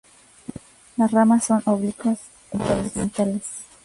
Las ramas son oblicuas u horizontales.